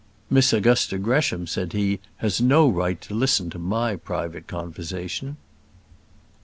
"Miss Augusta Gresham," said he, "has no right to listen to my private conversation."